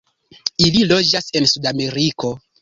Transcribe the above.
Ili loĝas en Sudameriko.